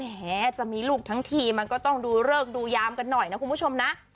แหจะมีลูกทั้งทีมันก็ต้องดูเลิกดูยามกันหน่อยนะคุณผู้ชมนะ